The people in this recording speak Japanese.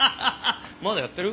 まだやってる？